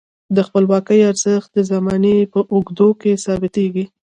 د خپلواکۍ ارزښت د زمانې په اوږدو کې ثابتیږي.